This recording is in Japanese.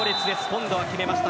今度は決めました。